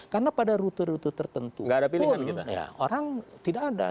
karena pada rute rute tertentu pun orang tidak ada